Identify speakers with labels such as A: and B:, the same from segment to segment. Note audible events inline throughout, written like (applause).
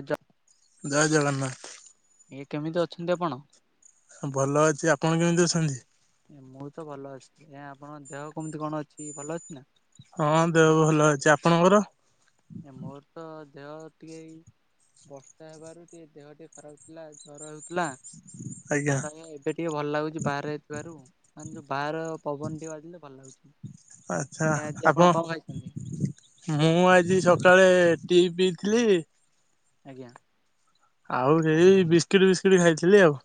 A: ଏଜ୍ଞ (inaudible)
B: ଜୟ ଜଗନ୍ନାଥ।
A: ଆଜ୍ଞା କେମିତି ଅଛନ୍ତି ଆପଣ?
B: ଭଲ ଅଛି ଆପଣ କେମିତି ଅଛନ୍ତି?
A: ମୁଁ ତ ଭଲ ଅଛି ଏ ଆପଣଙ୍କ ଦେହ କେମିତି କଣ ଅଛି ଭଲ ଅଛି ନା?
B: ହଁ ଦେହ ଭଲ ଅଛି ଆପଣଙ୍କର?
A: ଏ ମୋରତ ଦେହ ଟିକେ ଇଏ ବର୍ଷା ହେବାରୁ ଟିକେ ଦେହ ଟିକେ ଖରାପ ହଥିଲା ଜର ହେଉଥିଲା।
B: ଆଜ୍ଞା।
A: ଏବେ ଟିକେ ଭଲ ଲାଗୁଛି ବାହାରେ ହେଇଥିବାରୁ ମାନେ ଯୋଉ ବାହହାର ପବନ ଟିକେ ବାଜିଲେ ଭଲ ଲାଗୁଛି।
B: ଆଚ୍ଛା
A: ଏ ଆଜି
B: ଆପଣ?
A: କଣ ଖାଇଛନ୍ତି?
B: ମୁଁ ଆଜି ସକାଳେ ଟି ପିଇଥିଲି।
A: ଆଜ୍ଞା।
B: ଆଉ ହେଇ ବିସ୍କୁିଟି ଫିସ୍କୁିଟି ଖାଇଥିଲି ଆଉ।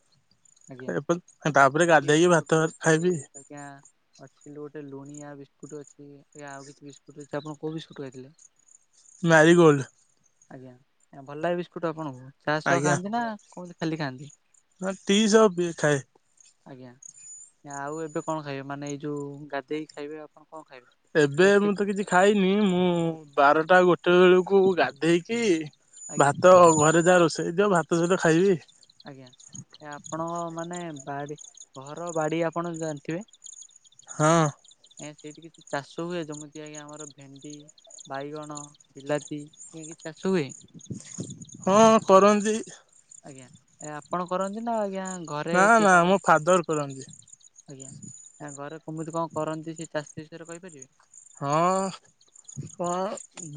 A: ଆଜ୍ଞା
B: ଏପ ତାପରେ
A: କି
B: ଗାଧେଇକି
A: ବିସ୍କୁଟ
B: ଭାତ ଫାତ
A: ଗୋଟେ
B: ଖାଇବି।
A: ଆଜ୍ଞା। ଅଛି ଗୋଟେ ଲୁଣିଆ ବିସ୍କୁଟ ଅଛି ଏ ଆଉ କିଛି ବିସ୍କୁଟ ଅଛି ଆପଣ କୋଉ ବିସ୍କୁଟ ଖାଇଥିଲେ?
B: ମ୍ୟାରିଗୋଲଡ।
A: ଆଜ୍ଞା ଭଲ ଲାଗେ ବିସ୍କୁଟ ଆପଣଙ୍କୁ ଚା' ସହ
B: ଆଜ୍ଞା
A: ଖାଆନ୍ତି ନା କମିତି ଖାଲି ଖାଆନ୍ତି?
B: ଟି ସହ ପିଏ ଖାଏ।
A: ଆଜ୍ଞା ଆଉ ଏବେ କଣ ଖାଇବେ ମାନେ ଏଇ ଯଉ ଗାଧେଇକି ଖାଇବେ ଆପଣ କଣ ଖାଇବେ?
B: ଏବେ ମୁଁ
A: ରୋଷେଇ
B: ତ କିଛି ଖାଇନି ମୁଁ ବାରଟା ଗୋଟେ ବେଳକୁ ଗାଧେଇକି
A: ଆଜ୍ଞା
B: ଭାତ ଘରେ ଯାହା ରୋଷେଇ ହେଇଥିବ ଭାତ ସହିତ ଖାଇବି।
A: ଆଜ୍ଞା ସେ ଆପଣଙ୍କ ମାନେ ବାଡ଼ି। ଘର ବାଡି ଆପଣ ଜାଣିଥିବେ।
B: ହଁ।
A: ଏନ୍ତି ସେଇଠି କିଛି ଚାଷ ହୁଏ ଯେମିତି ଆଜ୍ଞା ଆମର ଭେଣ୍ଡି। ବାଇଗଣ ବିଲାତି ଏ କିଛି ଚାଷ ହୁଏ।
B: ହଁ କରନ୍ତି।
A: ଆଜ୍ଞା ଏ ଆପଣ କରନ୍ତି ନା ଆଜ୍ଞା। ଘରେ
B: ନା
A: କିଏ
B: ନା
A: କରେ
B: ମୋ ଫାଦର କରନ୍ତି।
A: ଆଜ୍ଞା ଆ ଘରେ କେମିତି କଣ କରନ୍ତି ସେ ଚାଷ ବିଷୟରେ କହିପାରିବେ?
B: ହଁ କଣ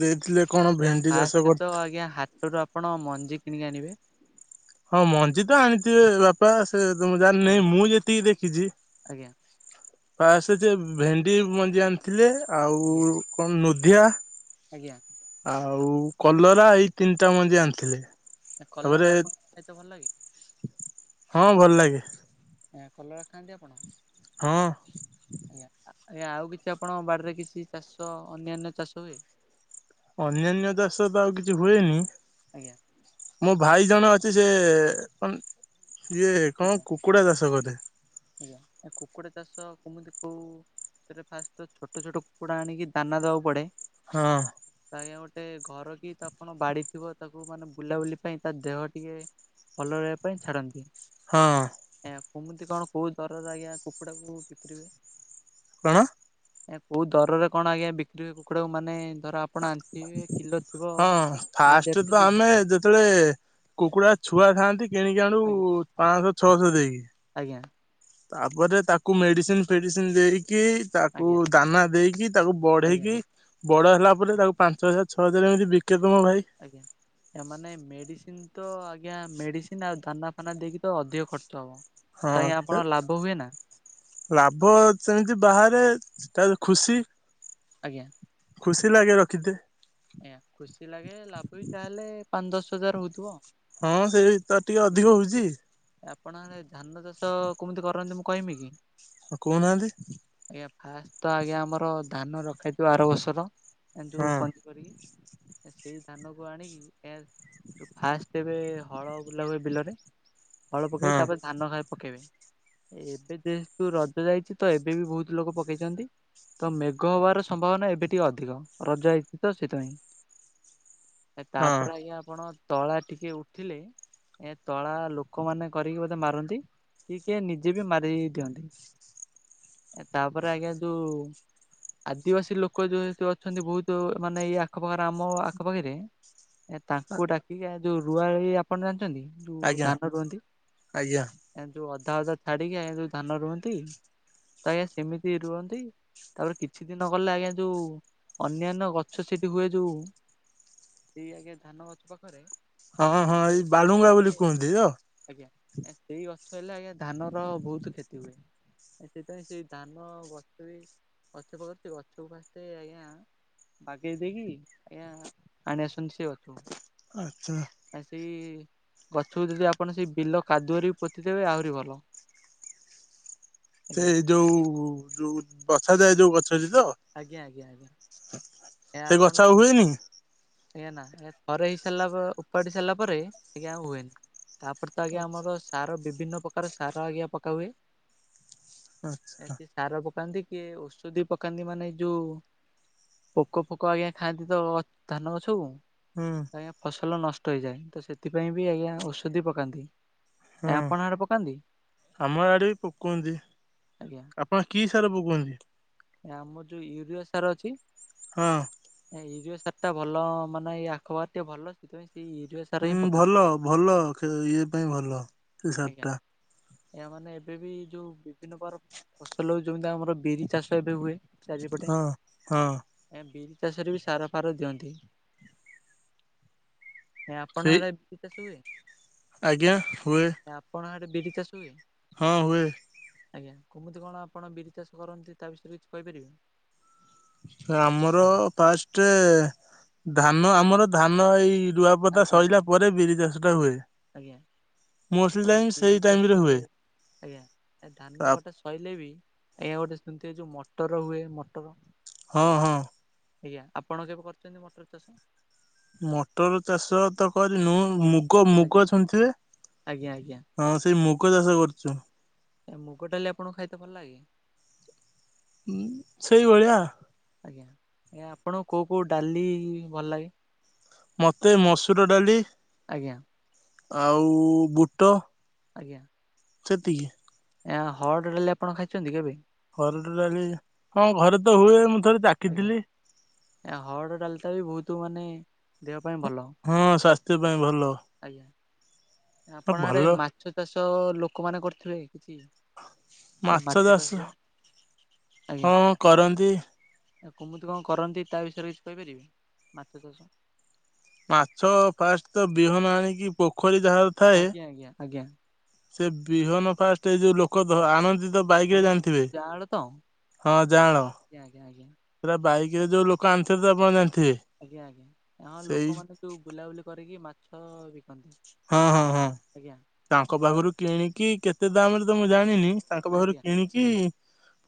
B: ଦେଇଥିଲେ କଣ
A: ଏ
B: ଭେଣ୍ଡି
A: ଫାଷ୍ଟ
B: ଚାଷ କରି
A: ତ ଆଜ୍ଞା ହା ସେଇଠୁ ଆପଣ ମଞ୍ଜି କିଣିକି ଆଣିବେ।
B: ହଁ ମଞ୍ଜି ତ ଆଣିଥିବେ ବାପା ସେ ତ ମୁଁ
A: ଆଜ୍ଞା
B: ଜାଣିନହିଁ ମୁଁ ଯେତିକି ଦେଖିଛି।
A: ଆଜ୍ଞା।
B: ଫାଷ୍ଟ ଯେ ଭେଣ୍ଡି ମଞ୍ଜି ଆଣିଥିଲେ ଆଉ
A: ଆଜ୍ଞା
B: କଣ ନୁଧିଆ।
A: ଆଜ୍ଞା।
B: ଆଉ କଲରା ଏଇ ତିନଟା ମଞ୍ଜି ଆଣିଥିଲେ।
A: ଏ
B: ତାପରେ
A: କଲରା ଆପଣଙ୍କୁ ଖାଇତେ ଭଲ ଲାଗେ?
B: ହଁ ଭଲ ଲାଗେ।
A: ଏଁ କଲରା ଖାଆନ୍ତି ଆପଣ?
B: ହଁ।
A: ଆଜ୍ଞା ଆ ଆଜ୍ଞା ଆଉ କିଛି ଆପଣଙ୍କ ବାଡିରେ କିଛି ଚାଷ ଅନ୍ୟାନ୍ୟ ଚାଷ ହୁଏ।
B: ଅନ୍ୟାନ୍ୟ ଚାଷ ତ ଆଉ କିଛି ହୁଏନି।
A: ଆଜ୍ଞା
B: ମୋ ଭାଇ ଜଣେ ଅଛି ସେ କନ୍ ସିଏ କଁ
A: ଆଜ୍ଞା
B: କୁକୁଡା ଚାଷ ଗଧେ।
A: ଆଜ୍ଞା ଏଁ କୁକୁଡା ଚାଷ କୋମିତି କୋଉ ଥେରେ ଫାଷ୍ଟେ ଛୋଟ ଛୋଟ କୁକୁଡା ଆଣିକି ଦାନା ଦବାକୁ ପଡେ।
B: ହଁ।
A: ଆଜ୍ଞା ଗୋଟେ ଘର କି ତ ଆପଣ ବାଡିଥିବ ତାକୁ ମାନେ ବୁଲାବୁଲି ପାଇଁ ତା ଦେହ ଟିକେ ଭଲ ରହିବା ପାଇଁ ଛାଡନ୍ତି।
B: ହଁ।
A: ୟାଁ କୁମିତି କଣ କୋଉ ଦରରେ ଆଜ୍ଞା କୁକୁଡାକୁ ବିକ୍ରିବେ।
B: କଣ?
A: ଏଁ କୋଉ ଦରରେ କଣ ଆଜ୍ଞା ବିକ୍ରି ହୁଏ କୁକୁଡାକୁ ମାନେ ଧର ଆ
B: ଆ ହଁ
A: ଆଜ୍ଞା
B: ଫାଷ୍ଟେ
A: ଦେଢଶହ
B: ତ
A: ଦୁଇଶହ
B: ଆମେ ଯେତେବେଳେ କୁକୁଡା ଛୁଆ ଥାଆନ୍ତି କିଣିକି ଆଣୁ
A: ଆଜ୍ଞା
B: ପାଂଶ ଛଅଶ ଦେଇକି।
A: ଆଜ୍ଞା।
B: ତାପରେ ତାକୁ ମେଡିସିନ୍ ଫେଡିସିନ୍ ଦେଇକି ତାକୁ
A: ଆଜ୍ଞା
B: ଦାନା ଦେଇକି ତାକୁ
A: ଆଜ୍ଞା।
B: ବଢେଇକି ବଡ ହେଲା ପରେ ତାକୁ ପାଞ୍ଚ ହଜାର ଛଅ ହଜାର ଏମିତି ବିକେ ତ ମୋ ଭାଇ।
A: ଆଜ୍ଞା। ଏ ମାନେ ମେଡିସିନ୍ ତ ଆଜ୍ଞା ମେଡିସିନ୍ ଆଉ ଦାନା ଫାନା ଦେଇକି ତ ଅଧିକ ଖର୍ଚ୍ଚ ହବ।
B: ହଁ
A: ତ ଆଜ୍ଞା ଆପଣ
B: କେତେ?
A: ଲାଭ ହୁଏ ନା
B: ଲାଭ ସେମିତି ବାହାରେ ସେଟା ବି ଖୁସି।
A: ଆଜ୍ଞା।
B: ଖୁସି ଲାଗେ ରଖିତେ।
A: ଆଜ୍ଞା ଖୁସି ଲାଗେ ଲାଭ ବି ତାହେଲେ ପାଂ ଦଶ ହଜାର ହଉଥୁବ।
B: ହଁ ସେଇ ତାର ଟିକେ ଅଧିକ ହଉଚି।
A: ଆପଣ ଆଡେ ଧାନ ଚାଷ କୁମିତି କରନ୍ତି ମୁଁ କହିମି କି?
B: ହଁ କହୁନାହାନ୍ତି।
A: ଆଜ୍ଞା ଫାଷ୍ ତ ଆଜ୍ଞା ଆମର ଧାନ ରଖାହେଇଥିବ ଆର ବର୍ଷର ଏଁ ଯୋଉ
B: ହଁ
A: (unintelligible) କରିକି ଏ ସେଇ ଧାନକୁ ଆଣିକି ଏ ଯୋଉ ଫାଷ୍ଟେରେ ହଳ ବୁଲା ହୁଏ ବିଲରେ ହଳ
B: ହଁ
A: ପକେଇକି ତାପରେ ଧାନ (unintelligible) ପକେଇବେ। ଏବେ ଯେହେତୁ ରଜ ଯାଇଛି ତ ଏବେ ବି ବୋହୁତୁ ଲୋକ ପକେଇଛନ୍ତି। ତ ମେଘ ହବାର ସମ୍ଭାବନା ଏବେ ଟିକେ ଅଧିକ ରଜ ହେଇଛି ତ ସେଇଥିପାଇଁ।
B: ହ
A: ଏ ତାପରେ ଆଜ୍ଞା ଆପଣ ତଳା ଟିକେ ଉଠିଲେ ଏଁ ତଳା ଲୋକମାନେ କରିକି ବୋଧେ ମାରନ୍ତି। କିଏ କିଏ ନିଜେ ବି ମାରି ଦିଅନ୍ତି ଏଁ ତାପରେ ଆଜ୍ଞା ଯୋଉ ଆଦିବାସୀ ଲୋକ ଯୋଉ ହେଠି ଅଛନ୍ତି ବୋହୁତୁ ମାନେ ଏଇ ଆଖ ପାଖେରେ ଆମ ଆଖ ପାଖେରେ ଏ ତାଙ୍କୁ ଡାକିକି ଆ ଯୋଉ ରୁଆ ହେଇ ଆପଣ ଜାଣିଛନ୍ତି ଯୋଉ
B: ଆଜ୍ଞା
A: ଧାନ ରୁଅନ୍ତି
B: ଆଜ୍ଞା
A: ଏଁ ଯୋଉ ଅଧା ଅଧା ଛାଡିକି ଆଜ୍ଞା ଯୋଉ ଧାନ ରୁହନ୍ତି (unintelligible) ଆଜ୍ଞା ସେମିତି ରୁହନ୍ତି। ତାପରେ କିଛି ଦିନ ଗଲେ ଆଜ୍ଞା ଯୋଉ ଅନ୍ୟାନ୍ୟ ଗଛ ସେଠି ହୁଏ ଯୋଉ। ସେଇ ଆଜ୍ଞା ଧାନ ଗଛ ପାଖରେ।
B: ହଁ ହଁ
A: ସେଇ
B: ଏଇ
A: ଗଛ
B: ବାଲୁଙ୍ଗା
A: ଆଜ୍ଞା
B: ବୋଲି କୁହନ୍ତି ତ
A: ସେଇ ଗଛ ହେଲେ। ଆଜ୍ଞା ଧାନର ବହୁତ କ୍ଷତି ହୁଏ। ସେଥିପାଇଁ ସେ ଧାନ ଗଛ ବି ଗଛ ପାଖରେ ସେ ଗଛକୁ ଫାଷ୍ଟେ ଆଜ୍ଞା। ବାଗେଇ ଦେଇକି ଆଜ୍ଞା ଆଣିଆସନ୍ତି। ସେ ଗଛକୁ।
B: ଆଚ୍ଛା।
A: ଆ ସେଇ ଗଛକୁ ଯଦି ଆପଣ ସେଇ ବିଲ କାଦୁଅରେ ପୋତିଦେବେ ଆହୁରି ଭଲ। ଆଜ୍ଞା
B: ସେଇ ଯୋଉ ଯୋଉ ବସାଯାଏ ଯୋଉ ଗଛରେ ତ।
A: ଆଜ୍ଞା, ଆଜ୍ଞା, ଆଜ୍ଞା।
B: ହଁ।
A: ଏହା ଆପଣ। ହୁଏନା। ଥରେ ହେଇ ସାରିଲା ପରେ ଉପାଡି ସାରିଲା ପରେ ଆଜ୍ଞ୍ୟା ଆଉ ହୁଏନି। ତାପରେ ତ ଆଜ୍ଞା ଆମର ସାର ବିଭିନ୍ନ ପ୍ରକାର ସାର ଆଜ୍ଞା ପକା ହୁଏ।
B: ଆଚ୍ଛା
A: ଆଜ୍ଞ୍ୟା ସାର ପକାନ୍ତି କି ଓଷଧି ପକାନ୍ତି ମାନେ ଯୋଉ। ପୋକ ଫୋକ ଆଜ୍ଞା ଖାଆନ୍ତି ତ ଧାନ ଗଛକୁ।
B: ହଁ।
A: ଆଜ୍ଞା ଫସଲ ନଷ୍ଟ ହେଇଯାଏ। ତ ସେଥିପାଇଁ ବି ଆଜ୍ଞା ଔଷଧି ପକାନ୍ତି। ଆଜ୍ଞ୍ୟା
B: ହୁଁ
A: ଆପଣ ଆଡେ ପକାନ୍ତି।
B: ଆମ
A: ଆଜ୍ଞା।
B: ହଁ କି ସାର ପକାନ୍ତି।
A: ଆମର ଯୋଉ ୟୁରିଆ ସାର ଅଛି।
B: ହଁ।
A: ୟୁରିଆ ସାରଟା ଭଲ। ମାନେ ଏଇ ଆଖୁପାଇଁ ଟିକେ ଭଲ ସେଥିପାଇଁ ୟୁରିଆସାର।
B: ହୁଁ ଭଲ ଭଲ ଇଏ ପାଇଁ ଭଲ। ସେ ୟୁରିଆ
A: ଆଜ୍ଞା।
B: ସାରଟା।
A: ଏହା ମାନେ ଏବେ ବି ଯୋଉ ବିଭିନ୍ନ ପ୍ରକାର ଫସଲ ଯେମିତି ଆମର ବିରି ଚାଷ ଏବେ ହୁଏ। ଚାରି ପଟେ।
B: ହଁ ହଁ
A: ସାର ଫାର ଦିଅନ୍ତି। ଆପଣଙ୍କ
B: ସେଇ
A: ଆଡେ ଆଖୁ ଚାଷ ହୁଏ।
B: ଆଜ୍ଞା ହୁଏ।
A: ଆପଣଙ୍କ ଆଡ଼େ ବିରି ଚାଷ ହୁଏ।
B: ହଁ ହୁଏ।
A: ଆଜ୍ଞା କେମିତି କଣ ଆପଣ ବିରି ଚାଷ କରନ୍ତି। ତା ବିଷୟରେ କିଛି କହିପାରିବେ।
B: ଆମର ଫାଷ୍ଟ ଧାନ ଆମର ଧାନ ଏଇ ରୁଆ। ରୁଆ ପୋତା
A: ଆଜ୍ଞା
B: ସରିଲା
A: ଆଜ୍ଞା।
B: ପରେ ବିରି ଚାଷ ଟା ହୁଏ।
A: ଆଜ୍ଞା
B: ମୋଷ୍ଟଲି ଟାଇମ ସେଇ
A: ବିରି
B: ଟାଇମ ରେ
A: ଚାଷ ହୁଏ ଆଜ୍ଞା। ଧାନ କଟା ସ। ସରିଲେ ବି ଆଜ୍ଞା ଗୋଟେ ଶୁଣିଥିବେ ଯୋଉ ମଟର ହୁଏ। ମଟର।
B: ହଁ ହଁ।
A: ଆଜ୍ଞା। ଆପଣ କେବେ କରିଛନ୍ତି ମଟର ଚାଷ।
B: ମଟର ଚାଷ ତ କରିନୁ। ମୁଗ ମୁଗ ମୁଗ
A: ଆଜ୍ଞା।
B: ଶୁଣିଥିବେ।
A: ଆଜ୍ଞା ଆଜ୍ଞା
B: ହଁ ସେଇ ମୁଗ ଚାଷ କରିଛୁ।
A: ମୁଗ ଡାଲି ଆପଣଙ୍କୁ ଖାଇତେ ଭଲ ଲାଗେ।
B: ସେଇଭଳିଆ।
A: ଆଜ୍ଞା ଆଜ୍ଞା ଆପଣଙ୍କୁ କଉ କଉ ଡାଲି ଭଲ ଲାଗେ।
B: ମତେ ମସୁର ଡାଲି।
A: ଆଜ୍ଞା।
B: ଆଉ ବୁଟ।
A: ଆଜ୍ଞା।
B: ସେତିକି।
A: ଆ ହରଡ ଡାଲି ଆପଣ ଖାଇଛନ୍ତି କେବେ?
B: ହରଡ ଡାଲି ହଁ ଘରେ ତ ହୁଏ ମୁଁ ଥରେ ଚା
A: ଆଜ୍ଞା। ହରଡ଼ ଡାଲିଟା ବି ବହୁତ ମାନେ ଦେହ ପାଇଁ ଭଲ।
B: ହଁ ସ୍ୱାସ୍ଥ୍ୟ ପାଇଁ ଭଲ।
A: ଆଜ୍ଞା।
B: ହଁ,
A: ଆପଣଙ୍କ ଆଡେ
B: ଭଲ
A: ମାଛ ଚାଷ ଲୋକମାନେ କରୁଥିଲେ କି କିଛି?
B: ମାଛ ଚାଷ, ହଁ କରନ୍ତି।
A: କୁମୁତି କଣ କରନ୍ତି ତା ବିଷୟରେ କିଛି କହିପାରିବେ ମାଛ ଚାଷ।
B: ମାଛ ଫାଷ୍ଟ ତ ବିହନ ଆଣିକି ପୋଖରୀ ଯାହାର ଥାଏ
A: ଆଜ୍ଞା ଆଜ୍ଞା ଆଜ୍ଞା।
B: ସେ ବିହନ ଫାଷ୍ଟ ଏ ଯୋଉ ଲୋକ ଆଣନ୍ତି ତ ବାଇକ୍ ରେ
A: ଆଜ୍ଞା
B: ଜାଣିଥିବେ
A: ଜାଆଁଳ ତ ଆଜ୍ଞା
B: ହଁ ଯାଆଁଳ।
A: ଆଜ୍ଞା ଆଜ୍ଞା
B: (unintelligible) ବାଇକ୍ ରେ ଯୋଉ ଲୋକ ଆଣି ଥିବେ ତ ଆପଣ ଜାଣିଥିବେ।
A: ଆଜ୍ଞା ଆଜ୍ଞା ହଁ
B: ସେଇ
A: ଲୋକ ମାନେ ଯୋଉ ବୁଲାବୁଲି କରିକି ମାଛ ବି
B: ହଁ ହଁ ହଁ।
A: ଆଜ୍ଞା।
B: ତାଙ୍କ ପାଖରୁ
A: ତାପରେ
B: କିଣିକି କେତେ ଦାମରେ ତ ମୁଁ ଜାଣିନି ତାଙ୍କ ପାଖରୁ
A: ଆଜ୍ଞା
B: କିଣିକି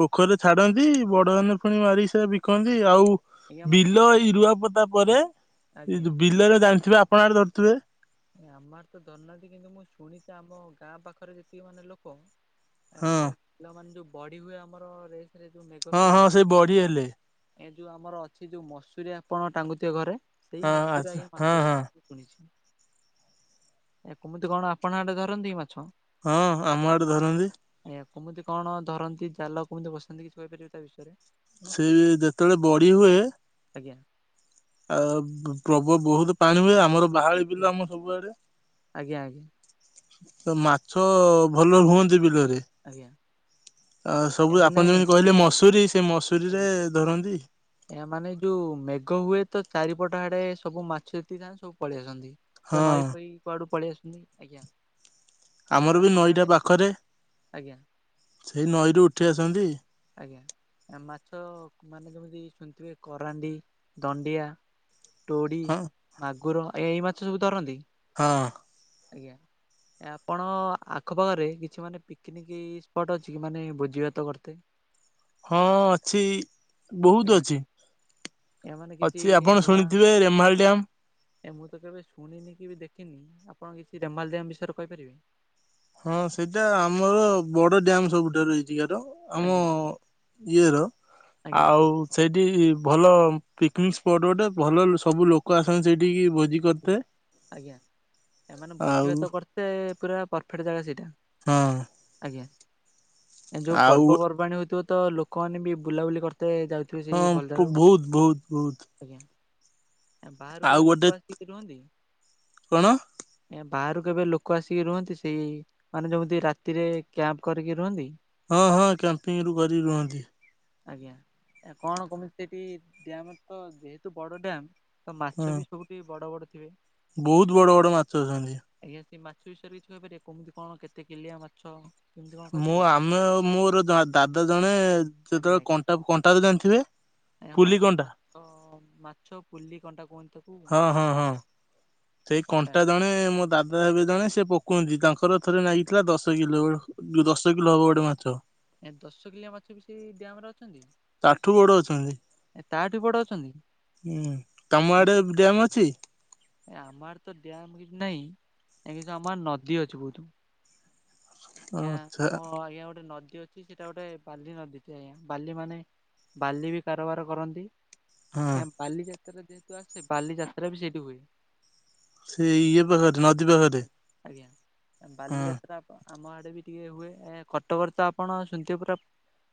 B: ପୋଖରୀରେ ଛାଡନ୍ତି ବଡ ହେନେ ପୁଣି ମାରିକି ସେ ବିକନ୍ତି ଆଉ
A: ଆଜ୍ଞା ମାନେ
B: ବିଲ ଏଇ ରୁଆ ପୋତା ପରେ, ଏ
A: ଆଜ୍ଞା।
B: ଯୋଉ ବିଲରେ ଜାଣିଥିବେ ଆପଣ ଆଡେ ଧରୁଥିବେ,
A: ଆମ ଆଡେ ତ ଧରୁନାହାନ୍ତି କିନ୍ତୁ ମୁଁ ଶୁଣିଛି ଆମ ଗାଁ ପାଖରେ ଯେତିକି ମାନେ ଲୋକ,
B: ହଁ
A: ଏମାନେ ପିଲାମାନେ ଯୋଉ ବଢି ହୁଏ ଆମର ରେସେରେ ଯଉ ମେ
B: ହଁ ହଁ ସେଇ ବଢ଼ି ହେଲେ,
A: ଏ ଯୋଉ ଆମର ଅଛି ଯୋଉ ମସୁରି ଆପଣ ଟାଙ୍ଗୁଥିବେ ଘରେ ସେଇ
B: ହଁ
A: ମସୁରୀ ରେ
B: ଆଚ୍ଛା
A: ଆଜ୍ଞା
B: ହଁ
A: ମାଛ ଧରୁ।
B: ହଁ
A: ଶୁଣିଛି। ଏ କୁମୁତି କଣ ଆପଣ ଆଡେ ଧରନ୍ତି ମାଛ?
B: ହଁ ଆମ ଆଡେ ଧରନ୍ତି।
A: ଆଜ୍ଞା। କୁମିତି କଣ ଧରନ୍ତି ଜାଲ କେମିତି ବସାନ୍ତି କିଛି କହିପାରିବେ ତା ବିଷୟରେ।
B: ସେ ଯେତେବେଳେ ବଢି ହୁଏ
A: ଆଜ୍ଞା।
B: ଆଉ ପ୍ରବ ବହୁତ ପାଣି ହୁଏ ଆମର ବାହାଳି ବିଲ ଆମ ସବୁଆଡେ।
A: ଆଜ୍ଞା ଆଜ୍ଞା
B: ତ ମାଛ ଭଲ ହୁଅନ୍ତି ବିଲରେ।
A: ଆଜ୍ଞା।
B: ଆ
A: ଏ
B: ସବୁ
A: ମାନେ
B: ଆପଣ ଯେମିତି କହିଲେ ମସୁରୀ ସେ ମସୁରୀରେ ଧରନ୍ତି।
A: ୟାମାନେ ଯୋଉ ମେଘ ହୁଏ ତ ଚାରିପଟ ଆଡେ ସବୁ ମାଛ ଯେତିକି ଥାନ୍ତି ସବୁ ପଳେଇ ଆସନ୍ତି ତ
B: ହଁ
A: ନଈ ଫଇ କୁଆଡୁ ପଳେଇ ଆସୁଛନ୍ତିି। ଆଜ୍ଞା। ଏ
B: ଆମର ବି
A: ଆପଣ
B: ନଈଟା
A: ଆଡେ
B: ପାଖରେ
A: ଆଜ୍ଞା
B: ସେଇ ନଈରୁ ଉଠି ଆସନ୍ତି।
A: ଆଜ୍ଞା। ମାଛ ମାନେ ଯେମିତି ଶୁଣିଥିବେ କରାଣ୍ଡି ଦଣ୍ଡିଆ, ତୋଡି,
B: ହଁ
A: ମାଗୁର ଏ ଏଇ ମାଛ ସବୁ ଧରନ୍ତି।
B: ହଁ।
A: ଆଜ୍ଞା। ଆପଣ ଆଖପାଖରେ କିଛି ମାନେ ପିକନିକ୍ ସ୍ପଟ୍ ଅଛି କି ମାନେ ଭୋଜି ଭାତ କରୁଥିବେ,
B: ହଁ ଅଛି। ବହୁତ
A: ଆଜ୍ଞା
B: ଅଛି।
A: ଏହା ମାନେ କିଛି
B: ଅଛି ଆପଣ
A: ନୂଆ
B: ଶୁଣିଥିବେ ରେମାଳି ଡ୍ୟାମ୍,
A: ଏ ମୁଁ ତ କେବେ ଶୁଣିନି କି ଦେଖିନି ଆପଣ କିଛି ରେମାଲ ଡ଼୍ୟାମ୍ ବିଷୟରେ କହିପାରିବେ?
B: ହଁ ସେଇଟା ଆମର ବଡ ଡ୍ୟାମ ସବୁଠାରୁ ଏହିଠିକାର। ଆମ
A: ଆଜ୍ଞା
B: ଇଏ ର
A: ଆଜ୍ଞା
B: ଆଉ। ସେଇଠି ଭଲ ପିକନିକ୍ ସ୍ପଟ୍ ଗୋଟେ ଭଲ ସବୁ ଲୋକ ଆସନ୍ତି ସେଇଠିକି ଭୋଜି କରିତେ
A: ଆଜ୍ଞା ଏମାନେ ଭୋଜି
B: ଆଉ
A: ଭାତ କରତେ ପୁରା ପରଫେକ୍ଟ ଜାଗା ସେଇଟା।
B: ହଁ।
A: ଆଜ୍ଞା ଏ ଯୋଉ
B: ଆଉ
A: ପର୍ବପର୍ବାଣି ହଉଥିବ ତ ଲୋକମାନେ ବି ବୁଲାବୁଲି କରତେ ଯାଉ ତୁ ସେଇ
B: ହଁ
A: ଭଲ ଧାରୁ
B: ବହୁତ ବହୁତ ବହୁତ
A: ଆଜ୍ଞା ବାହାରୁ
B: ଆଉ
A: କେବେ
B: ଗୋଟେ
A: ଲୋକ ଆସ ରୁହନ୍ତି
B: କଣ
A: ବାହାରୁ କେବେ ଲୋକ ଆସିକି ରୁହନ୍ତି ସେଇ ମାନେ ଯେମିତି ରାତିରେ କ୍ୟାମ୍ପ କରିକି ରୁହନ୍ତି।
B: ହଁ ହଁ କ୍ୟାମ୍ପିଙ୍ଗ ରୁ କରି ରୁହନ୍ତି।
A: ଆଜ୍ଞା କଣ କମିତି ସେଠି ଡ୍ୟାମ ତ ଯେହେତୁ ବଡ ଡ୍ୟାମ୍। ତ
B: ହଁ
A: ମାଛ ବି ସବୁଠି ବଡ ବଡ ଥିବେ।
B: ବହୁତ ବଡ ବଡ ମାଛ ଅଛନ୍ତି।
A: ଆଜ୍ଞା ସେ ମାଛ ବିଷୟରେ କିଛି କହିପାରିବେ କମିତି କଣ କେତେ କିଲିଆ ମାଛ। କଣ
B: ମୁଁ
A: କହିପାରିବେ
B: ଆମେ ଆଉ ମୋର ଦ ଦାଦା ଜଣେ
A: ଆଜ୍ଞା
B: ଯେତେବେଳେ କଣ୍ଟା କଣ୍ଟା ତ ଜାଣିଥିବେ।
A: ଆଜ୍ଞା ହଁ
B: ପୁଲି
A: ଯୋଉ
B: କଣ୍ଟା।
A: ମାଛ ମାଛ ପୁଲି କଣ୍ଟା କୁହନ୍ତି ତା
B: ହଁ ହଁ ହଁ ସେଇ କଣ୍ଟା ଜଣେ ମୋ ଦାଦା ହେବେ ଜଣେ ସେ ପୋ କୁହନ୍ତି ତାଙ୍କର ଥରେ ଲାଗିଥିଲା ଦଶ କିଲୋ ଦଶ କିଲୋ ହବ ଗୋଟେ ମାଛ।
A: ଏ ଦଶ କିଲିଆ ମାଛ ବି ସେଇ ଡ୍ୟାମ ରେ ଅଛନ୍ତି?
B: ତାଠୁ ବଡ ଅଛନ୍ତି।
A: ଏ ତା ଠୁ ବଡ ଅଛନ୍ତି।
B: ହୁଁ ତମ ଆଡେ ଡ୍ୟାମ୍ ଅଛି?
A: ଏ ଆମ ଆଡ଼େ ତ ଡ୍ୟାମ କିଛି ନାହିଁ ଏ କିନ୍ତୁ ଆମର ନଦୀ ଅଛି ବହୁତୁ। ଆଜ୍ଞା
B: ଆଚ୍ଛା
A: ଆମ ଆଜ୍ଞା ଗୋଟେ ନଦୀ ଅ ଛି ସେଟା ଗୋଟେ ବାଲି ନଦୀ ଟେ ବାଲି ମାନେ ବାଲି ବି କାରବାର କରନ୍ତି।
B: ହଁ।
A: ଆଜ୍ଞା ବାଲିଯାତ୍ରା ଯେହେତୁ ଆସେ ବାଲିଯାତ୍ରା ବି ସେଇଠି ହୁଏ।
B: ସେ ଇଏ ପାଖରେ ନଦୀ ପାଖରେ।
A: ଆଜ୍ଞା ଆ
B: ହଁ
A: ବାଲିଯାତ୍ରା। ଆମ ଆଡେ ବି ଟିକେ ହୁଏ ଏ କଟକରେ ତ ଆପଣ ଶୁଣିଥିବେ ପୁରା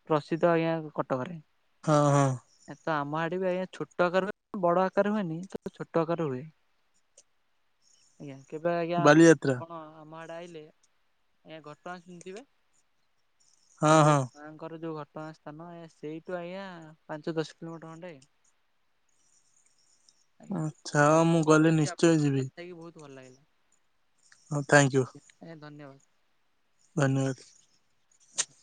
A: ପ୍ରସିଦ୍ଧ ଆଜ୍ଞା କଟକରେ।
B: ହଁ ହଁ।
A: ଏ ତ ଆମ ଆଡେ ବି ଆଜ୍ଞା ଛୋଟ ଆକାର ହୁଏ ବଡ ଆକାର ହୁଏନି ତ ଛୋଟ ଆକାର ହୁଏ। ଆଜ୍ଞା କେବେ ଆଜ୍ଞା
B: ବାଲିଯାତ୍ରା
A: କଣ ଆମ ଆଡେ ଆଇଲେ। ଆଜ୍ଞା ଘଟଣା ସୁଣିଥିବେ ଏ
B: ହଁ
A: ଯଉ
B: ହଁ।
A: ମାଆଙ୍କର ଯଉ ଘଟଣା ଆସ ସ୍ଥାନ ଏ ସେଇଠୁ ଆଜ୍ଞା ପାଞ୍ଚ ଦଶ କିଲୋମିଟର ଖଣ୍ଡେ ହେ ଆଜ୍ଞା।
B: ଆଚ୍ଛା ହଁ ମୁଁ ଗଲେ ନିଶ୍ଚୟ ଯିବି।
A: ଯାଇକି ବହୁତ ଭଲ ଲାଗେ।
B: ହଁ ଥଙ୍କୟୁ।
A: ଏ ଧନ୍ୟବାଦ।
B: ଧନ୍ୟବାଦ।
A: ହଜ